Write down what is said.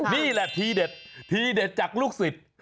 นี่แหละทีเด็ดทีเด็ดจากลูกศิษย์